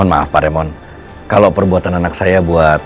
maaf pak remon kalau perbuatan anak saya buat